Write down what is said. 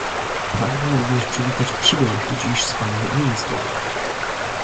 Pragnę również przywitać przybyłych tu dziś z panem ministrów